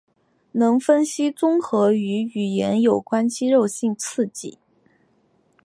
能分析综合与语言有关肌肉性刺激。